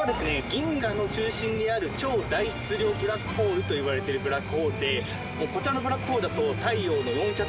銀河の中心にある超大質量ブラックホールといわれてるブラックホールでこちらのブラックホールだと。